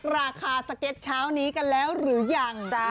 ราคาสเก็ตเช้านี้กันแล้วหรือยังจ๊ะ